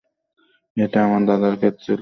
এটা আমার দাদার ক্ষেত ছিল।